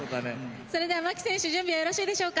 それでは牧選手準備はよろしいでしょうか？